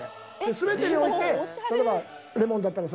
全てにおいて例えばレモンだったら。